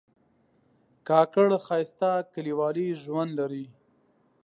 کاکړ ښایسته کلیوالي ژوند لري.